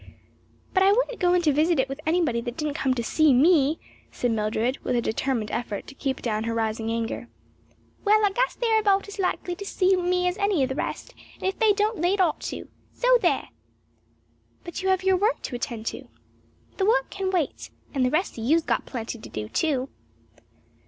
"But I wouldn't go into it to visit with anybody that didn't come to see me," said Mildred, with a determined effort to keep down her rising anger. "Well, I guess they're about as likely to want to see me as any o' the rest; and if they don't they'd ought to. So there!" "But you have your work to attend to." "The work can wait. And the rest o' you's got plenty to do too."